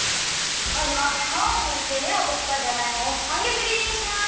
まずはかわをむいてめをとったじゃがいもをはんげつ切りにします。